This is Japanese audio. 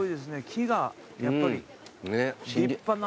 木がやっぱり立派な。